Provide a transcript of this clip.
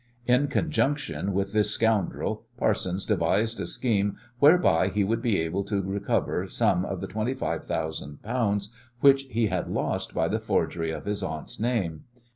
In conjunction with this scoundrel, Parsons devised a scheme whereby he would be able to recover some of the twenty five thousand pounds which he had lost by the forgery of his aunt's name.